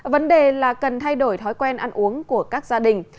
vấn đề là cần thay đổi thói quen ăn uống của các gia đình